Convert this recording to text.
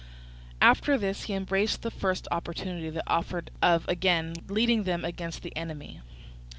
After this he embraced the first opportunity that offered of again leading them against the enemy.